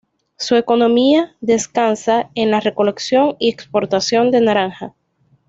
Su economía descansa en la recolección y exportación de naranjas.